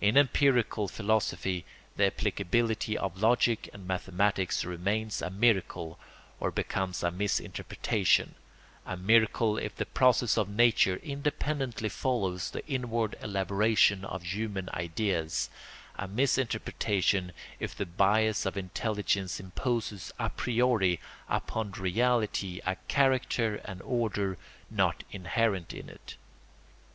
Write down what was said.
In empirical philosophy the applicability of logic and mathematics remains a miracle or becomes a misinterpretation: a miracle if the process of nature independently follows the inward elaboration of human ideas; a misinterpretation if the bias of intelligence imposes a priori upon reality a character and order not inherent in it.